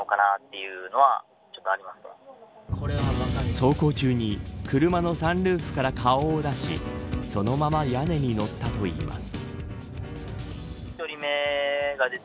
走行中に車のサンルーフから顔を出しそのまま屋根に乗ったといいます。